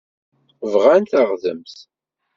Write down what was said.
Bɣan taɣdemt.